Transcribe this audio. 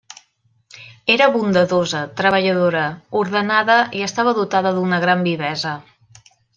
Era bondadosa, treballadora, ordenada i estava dotada d'una gran vivesa.